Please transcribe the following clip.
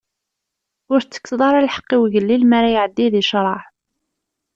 Ur tettekkseḍ ara lḥeqq i ugellil mi ara iɛeddi di ccṛeɛ.